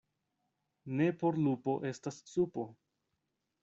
Ne por lupo estas supo.